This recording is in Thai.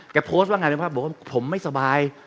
เขาโพสต์ว่าไงแบบว่าผมไม่สบาย